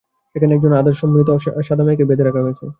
এখানে একজন আধা-সম্মোহিত সাদা মেয়েকে বেঁধে রাখা হয়েছে।